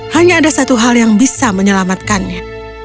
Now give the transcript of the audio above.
hanya ada satu hal yang bisa menyelamatkannya